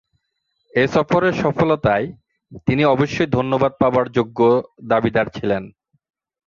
এ সফরের সফলতায় তিনি অবশ্যই ধন্যবাদ পাবার যোগ্য দাবীদার ছিলেন।